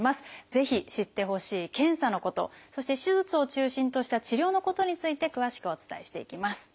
ぜひ知ってほしい検査のことそして手術を中心とした治療のことについて詳しくお伝えしていきます。